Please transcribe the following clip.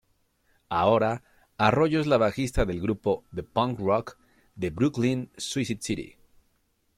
Ahora, Arroyo es la bajista del grupo de punk rock de Brooklyn Suicide City.